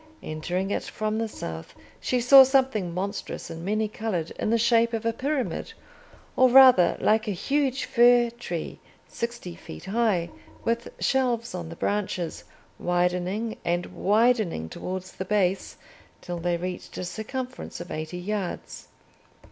Entering it from the south, she saw something monstrous and many coloured in the shape of a pyramid, or, rather, like a huge fir tree, sixty feet high, with shelves on the branches, widening and widening towards the base till they reached a circumference of eighty yards.